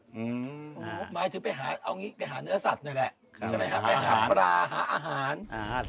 หมายถึงไปหาเนื้อสัตว์หน่อยแหละไปหาปลาหาอาหาร